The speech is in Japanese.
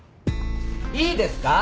いいですか？